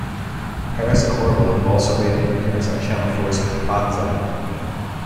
Harris and Orville have also made an appearance on Channel Four's "Banzai".